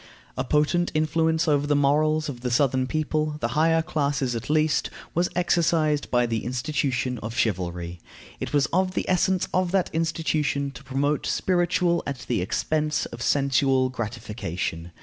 A potent influence over the morals of the southern people, the higher classes at least, was exercised by the institution of chivalry. It was of the essence of that institution to promote spiritual at the expense of sensual gratification.